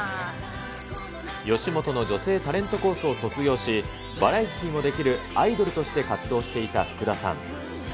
吉本の女性タレントコースを卒業し、バラエティーもできるアイドルとして活動していた福田さん。